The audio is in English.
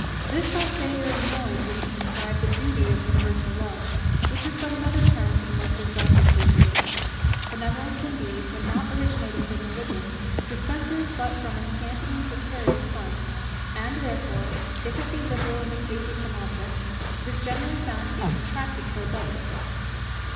This our Saviour enjoined when he prescribed the duty of universal love, which is but another term for the most exalted patriotism. Benevolence, indeed, when not originating from Religion, dispenses but from a scanty and precarious fund; and therefore, if it be liberal in the case of some objects, it is generally found to be contracted towards others.